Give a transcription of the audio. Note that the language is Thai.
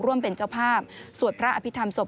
ร่วมเป็นเจ้าภาพสวดพระอภิษฐรรศพ